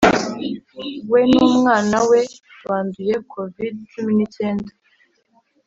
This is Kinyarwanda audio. We n’umwana we banduye covod-cumi n’icyenda